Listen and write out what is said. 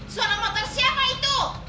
suara motor siapa itu